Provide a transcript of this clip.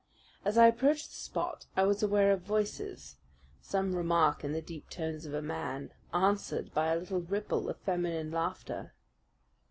As I approached the spot I was aware of voices, some remark in the deep tones of a man, answered by a little ripple of feminine laughter.